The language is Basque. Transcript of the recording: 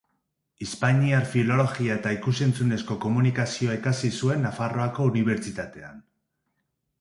Hispaniar filologia eta ikus-entzunezko komunikazioa ikasi zuen Nafarroako Unibertsitatean.